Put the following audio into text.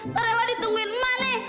ntar ella ditungguin emak nih